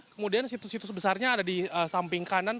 kemudian situs situs besarnya ada di samping kanan